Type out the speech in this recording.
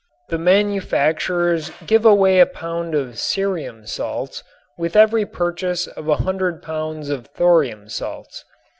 The manufacturers give away a pound of cerium salts with every purchase of a hundred pounds of thorium salts.